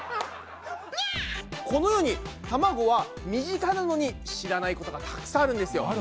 このように卵は身近なのに知らないことがたくさんあるんですよ。